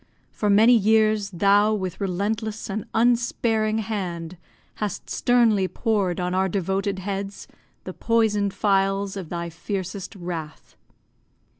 For many years, Thou, with relentless and unsparing hand, Hast sternly pour'd on our devoted heads The poison'd phials of thy fiercest wrath.